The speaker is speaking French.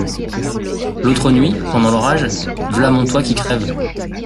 L'autre nuit, pendant l'orage, v'là mon toit qui crève.